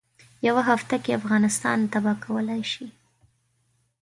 یوه هفته کې افغانستان تباه کولای شي.